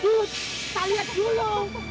kita lihat dulu